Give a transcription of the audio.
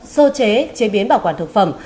sơ chế chế biến bảo quản thực phẩm